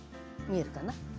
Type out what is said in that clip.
見えるかな。